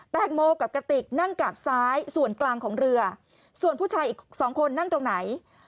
แตงโมกับกระติกนั่งกราบซ้ายส่วนกลางของเรือส่วนผู้ชายอีกสองคนนั่งตรงไหน